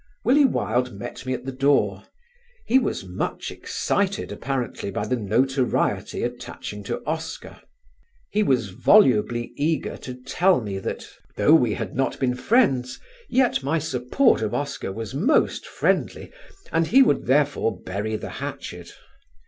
Willie Wilde met me at the door; he was much excited apparently by the notoriety attaching to Oscar; he was volubly eager to tell me that, though we had not been friends, yet my support of Oscar was most friendly and he would therefore bury the hatchet.